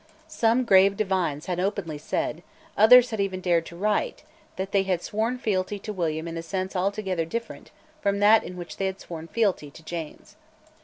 Some grave divines had openly said, others had even dared to write, that they had sworn fealty to William in a sense altogether different from that in which they had sworn fealty to James.